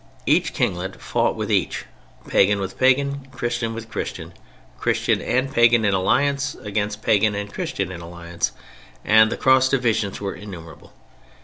Each kinglet fought with each, pagan with pagan, Christian with Christian, Christian and pagan in alliance against pagan and Christian in alliance—and the cross divisions were innumerable.